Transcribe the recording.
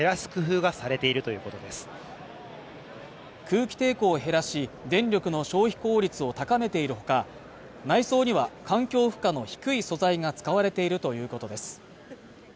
空気抵抗を減らし電力の消費効率を高めているほか内装には環境負荷の低い素材が使われているということです